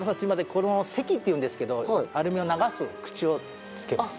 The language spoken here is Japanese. このせきっていうんですけどアルミを流す口を付けます。